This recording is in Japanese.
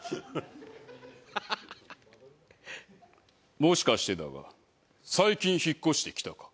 もしかしてだが最近引っ越してきたか？